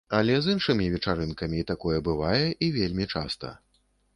Але з іншымі вечарынкамі такое бывае, і вельмі часта.